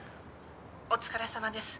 お疲れさまです。